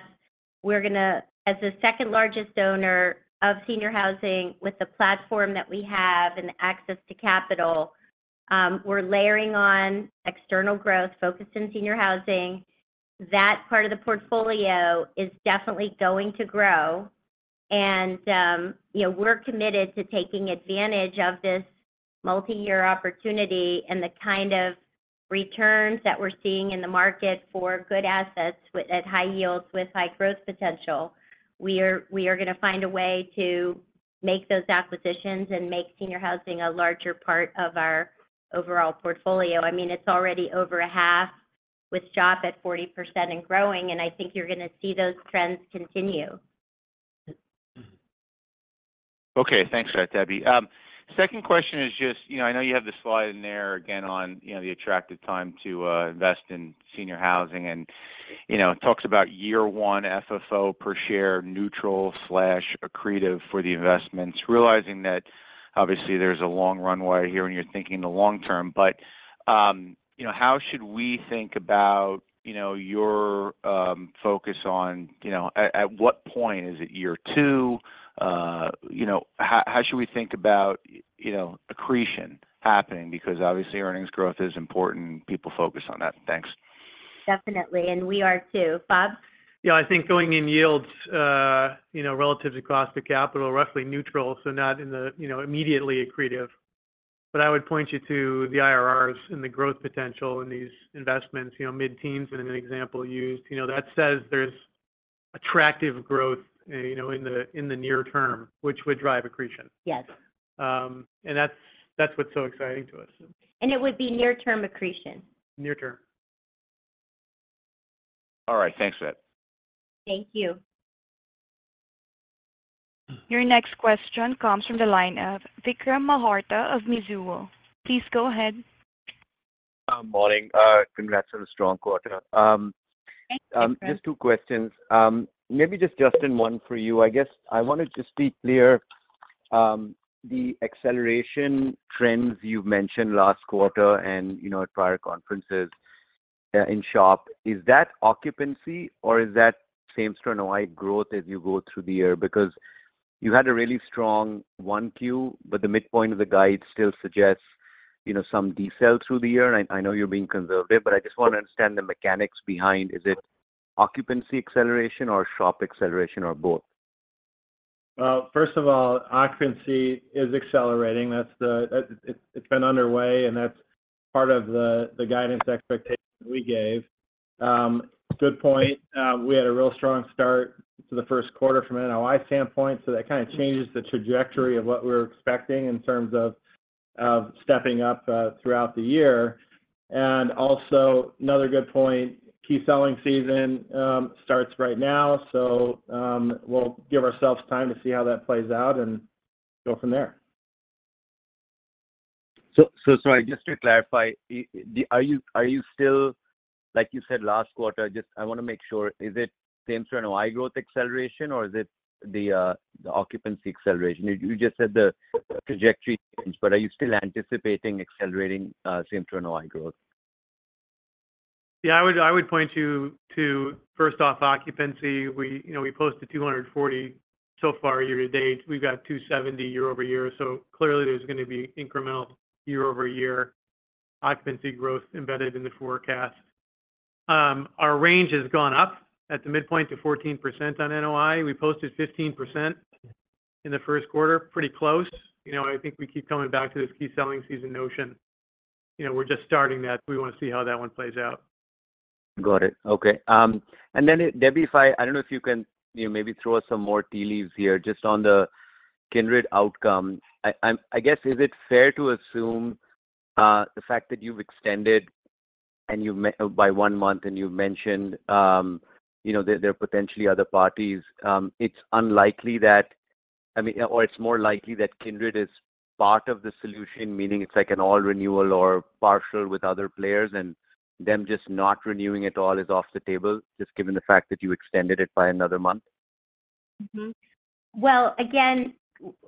We're gonna, as the second-largest owner of senior housing, with the platform that we have and access to capital, we're layering on external growth focused in senior housing. That part of the portfolio is definitely going to grow, and, you know, we're committed to taking advantage of this multi-year opportunity and the kind of returns that we're seeing in the market for good assets with at high yields, with high growth potential. We are gonna find a way to make those acquisitions and make senior housing a larger part of our overall portfolio. I mean, it's already over a half, with SHOP at 40% and growing, and I think you're gonna see those trends continue. Okay, thanks for that, Debbie. Second question is just, you know, I know you have the slide in there again on, you know, the attractive time to, invest in senior housing and, you know, talks about year 1 FFO per share, neutral/accretive for the investments, realizing that obviously there's a long runway here and you're thinking the long term. But, you know, how should we think about, you know, your, focus on, you know... At what point, is it year 2? You know, how should we think about, you know, accretion happening? Because obviously, earnings growth is important, people focus on that. Thanks. Definitely, and we are too. Bob? Yeah, I think going in yields, you know, relative across the capital, roughly neutral, so not in the, you know, immediately accretive. But I would point you to the IRRs and the growth potential in these investments, you know, mid-teens in an example used. You know, that says there's attractive growth, you know, in the, in the near term, which would drive accretion. Yes. and that's, that's what's so exciting to us. It would be near-term accretion? Near term. All right. Thanks, Deb. Thank you. Your next question comes from the line of Vikram Malhotra of Mizuho. Please go ahead. Morning. Congrats on a strong quarter. Thank you, Vikram. Just two questions. Maybe just, Justin, one for you. I guess I wanted to be clear, the acceleration trends you mentioned last quarter and, you know, at prior conferences, in SHOP, is that occupancy or is that same-store NOI growth as you go through the year? Because you had a really strong 1Q, but the midpoint of the guide still suggests, you know, some decel through the year. And I know you're being conservative, but I just want to understand the mechanics behind: is it occupancy acceleration or SHOP acceleration or both? First of all, occupancy is accelerating. That's it, it's been underway, and that's part of the guidance expectations we gave. Good point, we had a real strong start to the first quarter from an NOI standpoint, so that kind of changes the trajectory of what we're expecting in terms of stepping up throughout the year. And also, another good point, key selling season starts right now, so we'll give ourselves time to see how that plays out and go from there. So sorry, just to clarify, are you still... Like you said last quarter, just I wanna make sure, is it same store NOI growth acceleration or is it the occupancy acceleration? You just said the trajectory change, but are you still anticipating accelerating same store NOI growth? Yeah, I would, I would point to, to first off, occupancy. We, you know, we posted 240 so far year-to-date. We've got 270 year-over-year, so clearly there's gonna be incremental year-over-year occupancy growth embedded in the forecast. Our range has gone up at the midpoint to 14% on NOI. We posted 15%.... in the first quarter, pretty close. You know, I think we keep coming back to this key selling season notion. You know, we're just starting that. We wanna see how that one plays out. Got it. Okay. And then, Debbie, if I-- I don't know if you can, you know, maybe throw us some more tea leaves here just on the Kindred outcome. I guess, is it fair to assume the fact that you've extended and you mentioned by one month, and you've mentioned, you know, there, there are potentially other parties, it's unlikely that-- I mean, or it's more likely that Kindred is part of the solution, meaning it's like an all renewal or partial with other players, and them just not renewing at all is off the table, just given the fact that you extended it by another month? Mm-hmm. Well, again,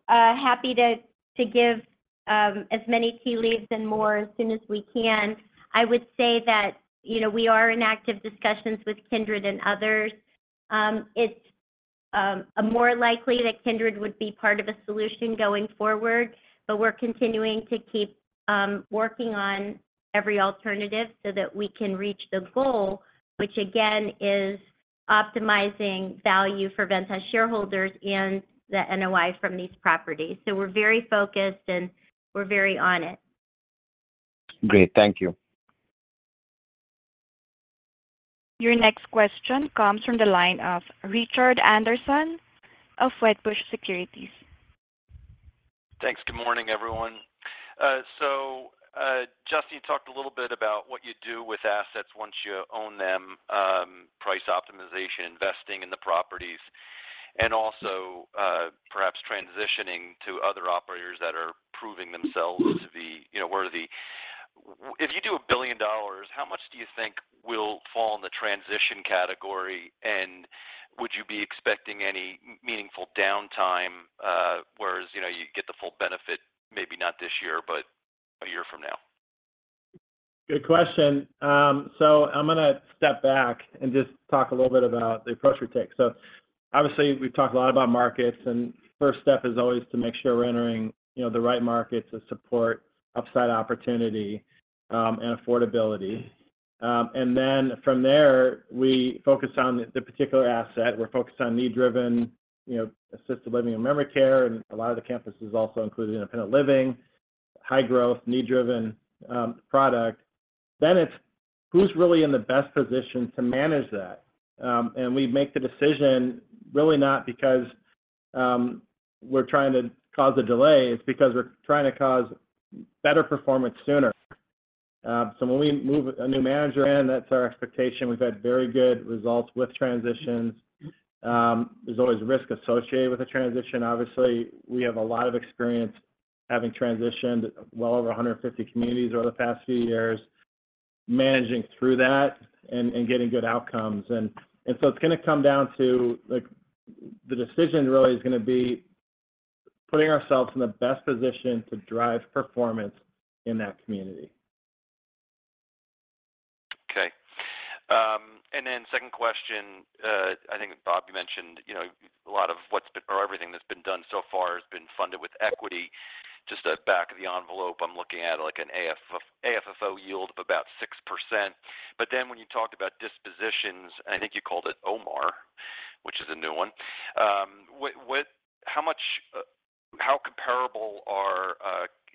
happy to give as many tea leaves and more as soon as we can. I would say that, you know, we are in active discussions with Kindred and others. It's more likely that Kindred would be part of a solution going forward, but we're continuing to keep working on every alternative so that we can reach the goal, which again, is optimizing value for Ventas shareholders and the NOI from these properties. So we're very focused, and we're very on it. Great, thank you. Your next question comes from the line of Richard Anderson of Wedbush Securities. Thanks. Good morning, everyone. So, Justin, you talked a little bit about what you do with assets once you own them, price optimization, investing in the properties, and also, perhaps transitioning to other operators that are proving themselves to be, you know, worthy. If you do $1 billion, how much do you think will fall in the transition category, and would you be expecting any meaningful downtime, whereas, you know, you get the full benefit, maybe not this year, but a year from now? Good question. I'm gonna step back and just talk a little bit about the approach we take. Obviously, we've talked a lot about markets, and first step is always to make sure we're entering, you know, the right markets that support upside opportunity, and affordability. Then from there, we focus on the particular asset. We're focused on need-driven, you know, assisted living and memory care, and a lot of the campuses also include independent living, high growth, need-driven, product. Then it's who's really in the best position to manage that? We make the decision really not because we're trying to cause a delay, it's because we're trying to cause better performance sooner. When we move a new manager in, that's our expectation. We've had very good results with transitions. There's always risk associated with the transition. Obviously, we have a lot of experience having transitioned well over 150 communities over the past few years, managing through that and getting good outcomes. And so it's gonna come down to, like, the decision really is gonna be putting ourselves in the best position to drive performance in that community. Okay. And then second question, I think, Bob, you mentioned, you know, a lot of what's been or everything that's been done so far has been funded with equity. Just at back of the envelope, I'm looking at like an AFFO yield of about 6%. But then when you talked about dispositions, and I think you called it OMR, which is a new one, what, how much, how comparable are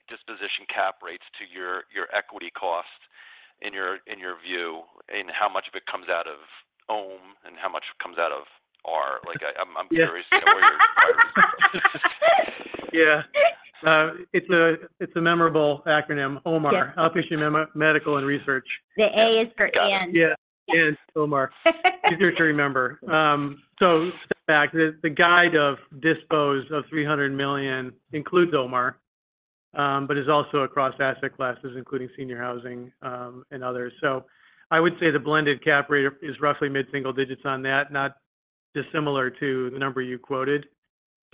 disposition cap rates to your, your equity cost in your, in your view, and how much of it comes out of OM and how much comes out of R? Like, I, I'm, I'm curious. Yeah. It's a memorable acronym, OMR- Yeah... Outpatient Medical and Research. The A is for Anne. Yeah, Anne, OMAR, easier to remember. So step back, the guide of dispose of $300 million includes OMAR, but is also across asset classes, including senior housing, and others. So I would say the blended cap rate is roughly mid-single digits on that, not dissimilar to the number you quoted.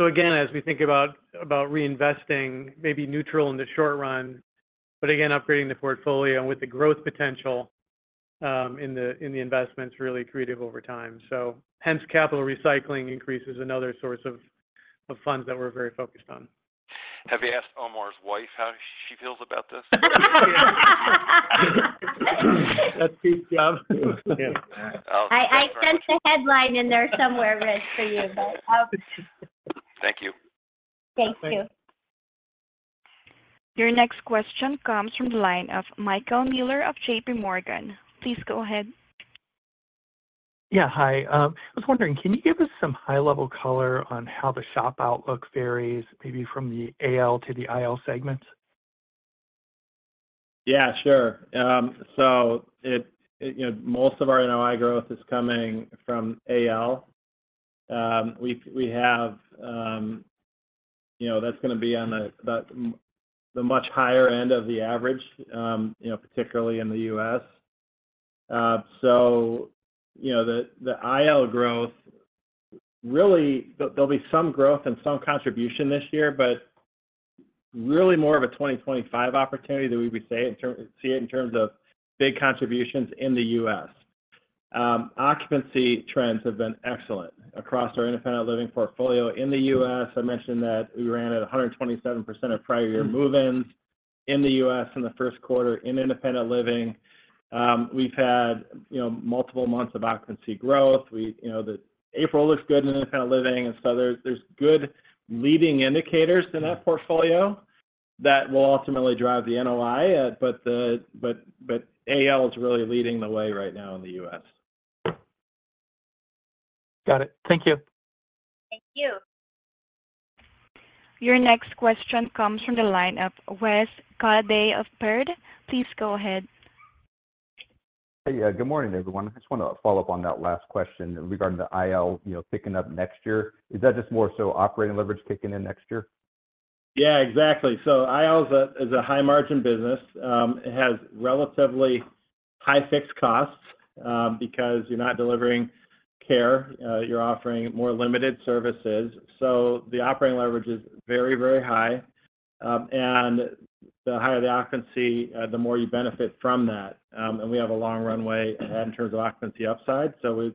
So again, as we think about reinvesting, maybe neutral in the short run, but again, upgrading the portfolio with the growth potential in the investments really accretive over time. So hence, capital recycling increases another source of funds that we're very focused on. Have you asked Omar's wife how she feels about this? That's Keith's job. Yeah. I'll- I sent the headline in there somewhere, Rich, for you, but, Thank you. Thank you. Your next question comes from the line of Michael Mueller of JPMorgan. Please go ahead. Yeah, hi. I was wondering, can you give us some high-level color on how the SHOP outlook varies, maybe from the AL to the IL segments? Yeah, sure. So it, you know, most of our NOI growth is coming from AL. We have, you know, that's gonna be on about the much higher end of the average, you know, particularly in the U.S. So, you know, the IL growth, really, there'll be some growth and some contribution this year, but really more of a 2025 opportunity than we would say in terms of big contributions in the U.S. Occupancy trends have been excellent across our independent living portfolio in the U.S. I mentioned that we ran at 127% of prior year move-ins in the U.S. in the first quarter in independent living. We've had, you know, multiple months of occupancy growth. We, you know, the April looks good in independent living, and so there's good leading indicators in that portfolio that will ultimately drive the NOI. But AL is really leading the way right now in the U.S.. Got it. Thank you. Thank you. Your next question comes from the line of Wes Golladay of Baird. Please go ahead. Hey, yeah, good morning, everyone. I just wanted to follow up on that last question regarding the IL, you know, picking up next year. Is that just more so operating leverage kicking in next year? Yeah, exactly. So IL is a high-margin business. It has relatively high fixed costs, because you're not delivering care, you're offering more limited services. So the operating leverage is very, very high. And the higher the occupancy, the more you benefit from that. And we have a long runway in terms of occupancy upside. So we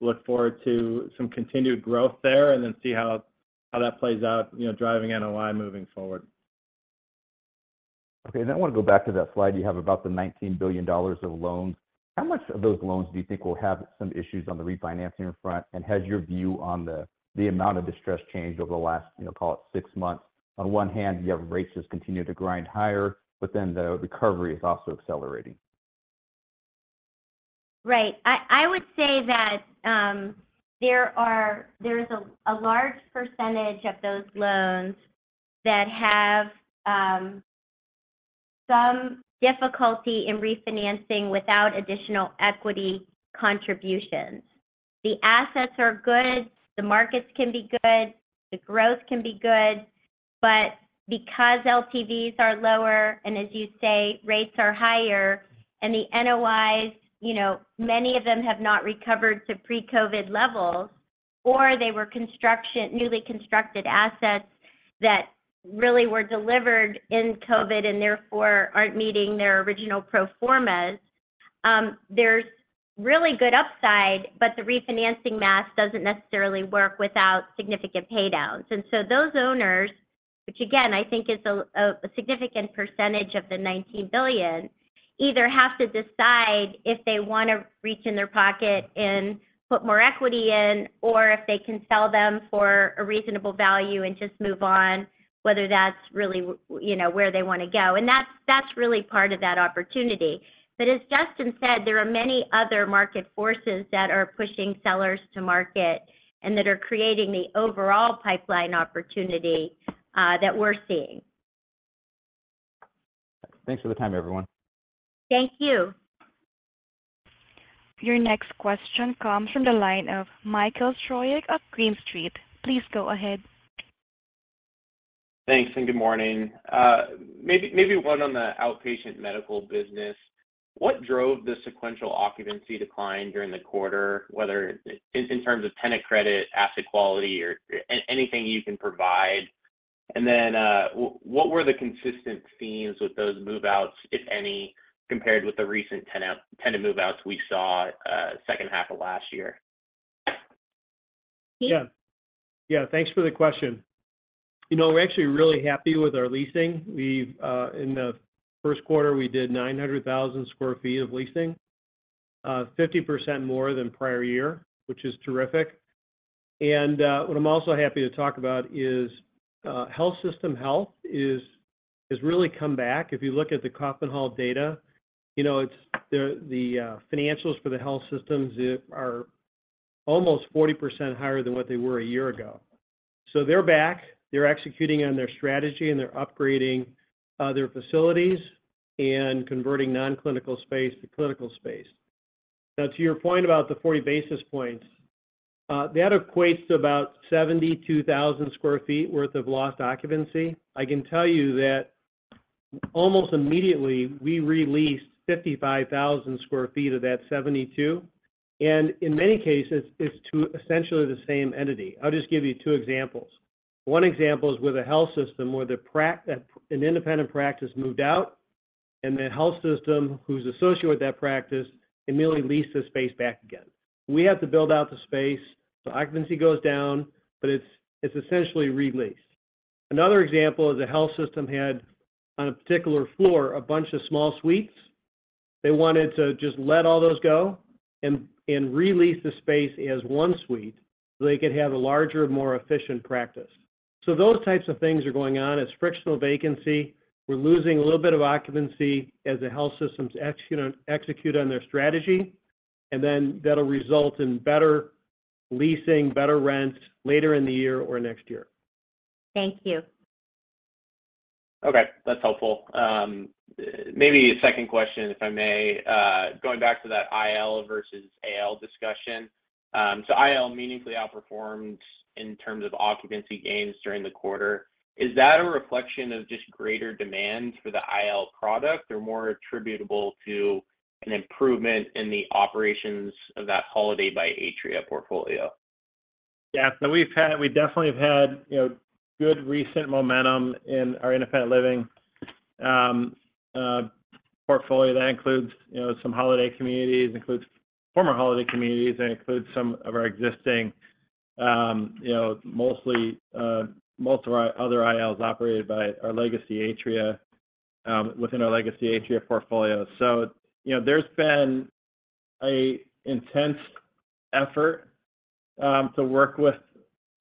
look forward to some continued growth there, and then see how that plays out, you know, driving NOI moving forward. Okay. Then I want to go back to that slide you have about the $19 billion of loans. How much of those loans do you think will have some issues on the refinancing front? And has your view on the, the amount of distress changed over the last, you know, call it 6 months? On one hand, you have rates just continue to grind higher, but then the recovery is also accelerating. Right. I would say that there is a large percentage of those loans that have some difficulty in refinancing without additional equity contributions. The assets are good, the markets can be good, the growth can be good, but because LTVs are lower, and as you say, rates are higher, and the NOIs, you know, many of them have not recovered to pre-COVID levels, or they were newly constructed assets that really were delivered in COVID, and therefore, aren't meeting their original pro formas. There's really good upside, but the refinancing math doesn't necessarily work without significant pay downs. And so those owners, which again, I think is a significant percentage of the $19 billion, either have to decide if they wanna reach in their pocket and put more equity in, or if they can sell them for a reasonable value and just move on, whether that's really, you know, where they wanna go. And that's really part of that opportunity. But as Justin said, there are many other market forces that are pushing sellers to market and that are creating the overall pipeline opportunity that we're seeing. Thanks for the time, everyone. Thank you. Your next question comes from the line of Michael Troy of Green Street. Please go ahead. Thanks, and good morning. Maybe, maybe one on the outpatient medical business. What drove the sequential occupancy decline during the quarter, whether it's in terms of tenant credit, asset quality, or anything you can provide? And then, what were the consistent themes with those move-outs, if any, compared with the recent tenant move-outs we saw, second half of last year? Steve? Yeah. Yeah, thanks for the question. You know, we're actually really happy with our leasing. We've... In the first quarter, we did 900,000 sq ft of leasing, 50% more than prior year, which is terrific. And what I'm also happy to talk about is health system health is has really come back. If you look at the Kaufman Hall data, you know, it's the financials for the health systems are almost 40% higher than what they were a year ago. So they're back, they're executing on their strategy, and they're upgrading their facilities and converting non-clinical space to clinical space. Now, to your point about the 40 basis points, that equates to about 72,000 sq ft worth of lost occupancy. I can tell you that almost immediately, we re-leased 55,000 sq ft of that 72,000, and in many cases, it's to essentially the same entity. I'll just give you two examples. One example is with a health system where the practice, an independent practice moved out, and the health system who's associated with that practice, immediately leased the space back again. We have to build out the space, the occupancy goes down, but it's, it's essentially re-leased. Another example is a health system had, on a particular floor, a bunch of small suites. They wanted to just let all those go and re-lease the space as one suite, so they could have a larger, more efficient practice. So those types of things are going on. It's frictional vacancy. We're losing a little bit of occupancy as the health systems execute on their strategy, and then that'll result in better leasing, better rents later in the year or next year. Thank you. Okay, that's helpful. Maybe a second question, if I may. Going back to that IL versus AL discussion. So IL meaningfully outperformed in terms of occupancy gains during the quarter. Is that a reflection of just greater demand for the IL product or more attributable to an improvement in the operations of that Holiday by Atria portfolio? Yeah. So we definitely have had, you know, good recent momentum in our independent living portfolio that includes, you know, some holiday communities, includes former holiday communities, and includes some of our existing, you know, mostly most of our other ILs operated by our legacy Atria within our legacy Atria portfolio. So, you know, there's been an intense effort to work with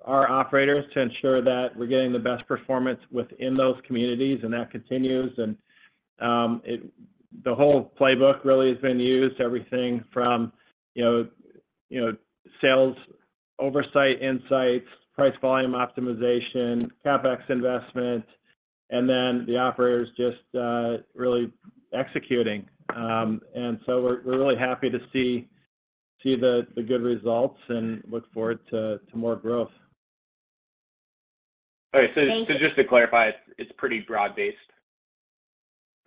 our operators to ensure that we're getting the best performance within those communities, and that continues. The whole playbook really has been used, everything from, you know, sales, oversight, insights, price-volume optimization, CapEx investment, and then the operators just really executing. And so we're really happy to see the good results and look forward to more growth. All right. Thank you. So, so just to clarify, it's pretty broad-based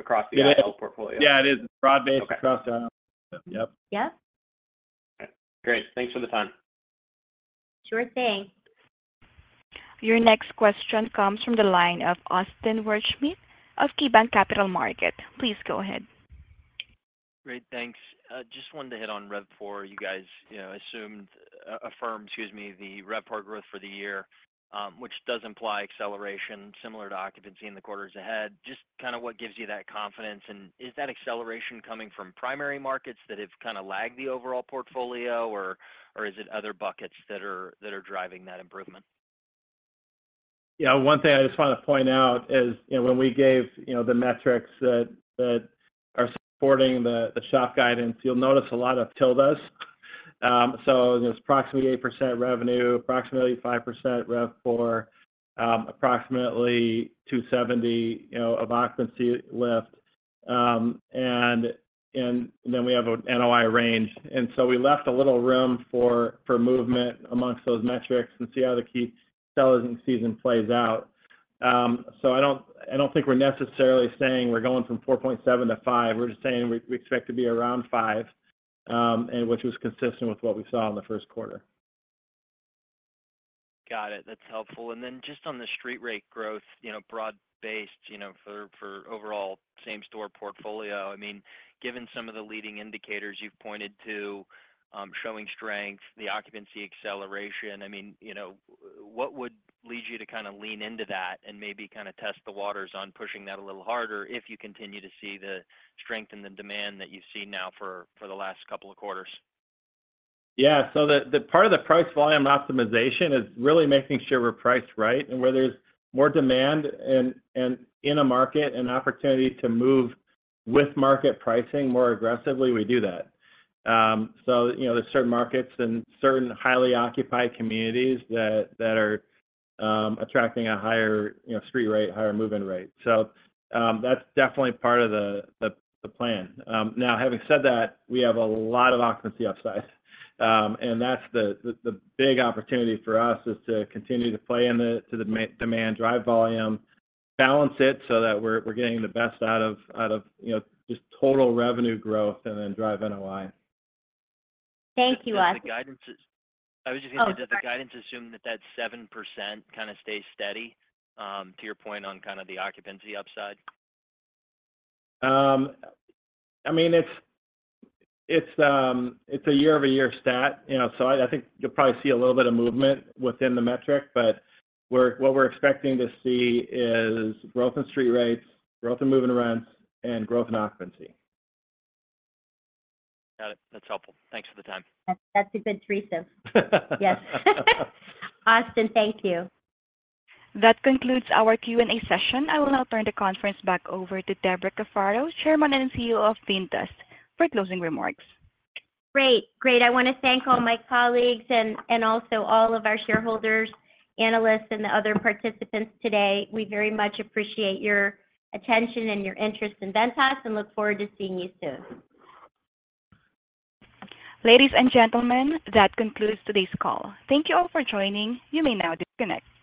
across the IL portfolio? Yeah, it is. It's broad-based. Okay. Across, yep. Yep. Great. Thanks for the time. Sure thing. Your next question comes from the line of Austin Wurschmidt of KeyBanc Capital Markets. Please go ahead. Great, thanks. Just wanted to hit on RevPOR. You guys, you know, assumed, affirmed, excuse me, the RevPOR growth for the year, which does imply acceleration similar to occupancy in the quarters ahead. Just kind of what gives you that confidence, and is that acceleration coming from primary markets that have kind of lagged the overall portfolio, or is it other buckets that are driving that improvement? Yeah, one thing I just want to point out is, you know, when we gave, you know, the metrics that are supporting the SHOP guidance, you'll notice a lot of tildes. So there's approximately 8% revenue, approximately 5% RevPOR, approximately 270 of occupancy lift, and then we have a NOI range. And so we left a little room for movement amongst those metrics and see how the key selling season plays out. So I don't think we're necessarily saying we're going from 4.7 to 5. We're just saying we expect to be around five, and which was consistent with what we saw in the first quarter. Got it. That's helpful. And then just on the street rate growth, you know, broad-based, you know, for overall same-store portfolio, I mean, given some of the leading indicators you've pointed to, showing strength, the occupancy acceleration, I mean, you know, what would lead you to kind of lean into that and maybe kind of test the waters on pushing that a little harder if you continue to see the strength and the demand that you've seen now for the last couple of quarters? Yeah. So the part of the price volume optimization is really making sure we're priced right, and where there's more demand and in a market, an opportunity to move with market pricing more aggressively, we do that. So, you know, there's certain markets and certain highly occupied communities that are attracting a higher, you know, street rate, higher move-in rate. So, that's definitely part of the plan. Now, having said that, we have a lot of occupancy upside, and that's the big opportunity for us, is to continue to play in the, to the demand, drive volume, balance it so that we're getting the best out of, you know, just total revenue growth and then drive NOI. Thank you, Austin. The guidance is- Oh, sorry. I was just gonna... Did the guidance assume that that 7% kind of stay steady, to your point on kind of the occupancy upside? I mean, it's a year-over-year stat, you know, so I think you'll probably see a little bit of movement within the metric, but what we're expecting to see is growth in street rates, growth in move-in rents, and growth in occupancy. Got it. That's helpful. Thanks for the time. That's a good threesome. Yes. Austin, thank you. That concludes our Q&A session. I will now turn the conference back over to Debra Cafaro, Chairman and CEO of Ventas, for closing remarks. Great. Great, I want to thank all my colleagues and also all of our shareholders, analysts, and the other participants today. We very much appreciate your attention and your interest in Ventas and look forward to seeing you soon. Ladies and gentlemen, that concludes today's call. Thank you all for joining. You may now disconnect.